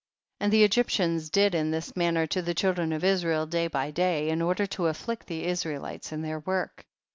27. And the Egyptians did in this manner to the children of Israel day by day, in order to afflict the Israel ites in their work.